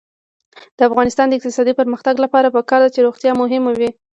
د افغانستان د اقتصادي پرمختګ لپاره پکار ده چې روغتیا مهمه وي.